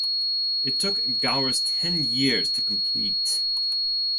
It took Gowers ten years to complete.